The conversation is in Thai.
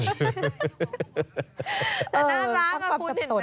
ขี้อ้อนอีกตรงนั้น